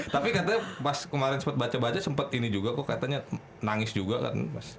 tapi katanya pas kemarin sempat baca baca sempet ini juga kok katanya nangis juga kan mas